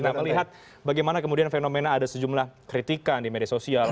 nah melihat bagaimana kemudian fenomena ada sejumlah kritikan di media sosial